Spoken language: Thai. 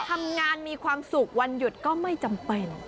มีความสุขวันหยุดก็ไม่จำเป็น